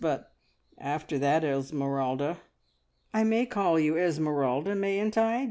But after that, Esmeralda, (I may call you Esmeralda, mayn't I?